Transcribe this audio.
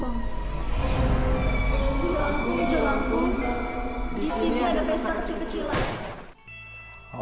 film jailangkung di sini ada pesta kecil kecilan